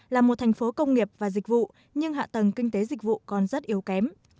là một thành phố công nghiệp và dịch vụ nhưng hạ tầng kinh tế dịch vụ còn rất yếu kém